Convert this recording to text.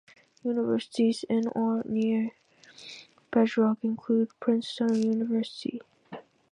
Universities in or near Bedrock include Prinstone University.